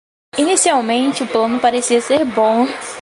Inicialmente o plano parecia ser bom.